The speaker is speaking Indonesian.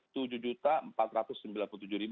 dosis satu dua sudah mencapai